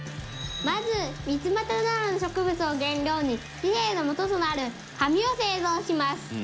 まずミツマタなどの植物を原料に紙幣のもととなる紙を製造します。